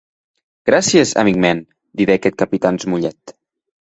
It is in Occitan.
Gràcies, amic mèn, didec eth Capitan Smollet.